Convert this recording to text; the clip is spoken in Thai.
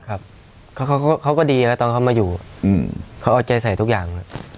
ครับเขาก็ดีเลยตอนเขามาอยู่เขาอดใจใส่ทุกอย่าง